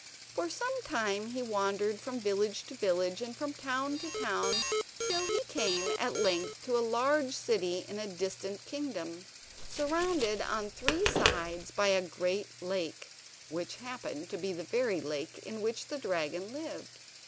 For some time he wandered from village to village and from town to town, till he came at length to a large city in a distant kingdom, surrounded on three sides by a great lake, which happened to be the very lake in which the dragon lived.